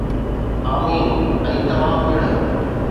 آمين ...۽ توهان پڻ.